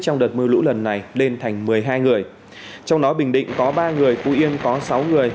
trong đợt mưa lũ lần này lên thành một mươi hai người trong đó bình định có ba người phú yên có sáu người